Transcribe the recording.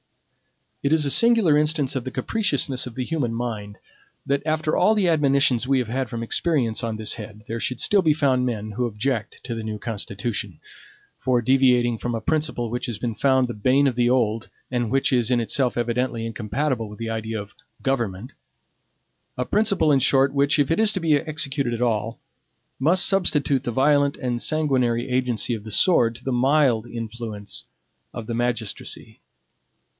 It is a singular instance of the capriciousness of the human mind, that after all the admonitions we have had from experience on this head, there should still be found men who object to the new Constitution, for deviating from a principle which has been found the bane of the old, and which is in itself evidently incompatible with the idea of GOVERNMENT; a principle, in short, which, if it is to be executed at all, must substitute the violent and sanguinary agency of the sword to the mild influence of the magistracy.